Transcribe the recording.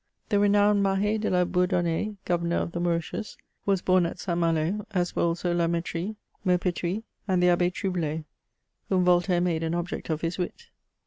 The renowned Mah^ de la Bourdonnaie, Governor of the Mauritius, was bom at St. Malo, as were also Lamettrie, Maupertuis, and the Abb^ Trublet, whom Voltaire made an object of his wit.